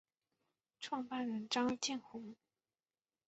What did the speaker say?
创办人张建宏。